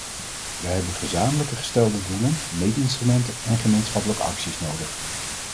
Wij hebben gezamenlijk gestelde doelen, meetinstrumenten en gemeenschappelijke acties nodig.